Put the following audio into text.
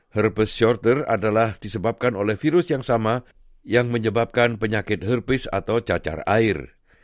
herpes shorter adalah disebabkan oleh virus yang sama yang menyebabkan penyakit herpes atau cacar air